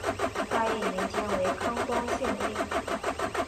大业年间为寿光县令。